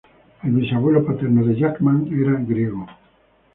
El bisabuelo paterno de Jackman era griego.